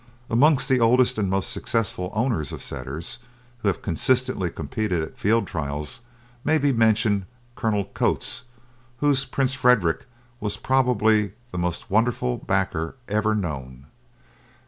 Amongst the oldest and most successful owners of Setters who have consistently competed at field trials may be mentioned Colonel Cotes, whose Prince Frederick was probably the most wonderful backer ever known.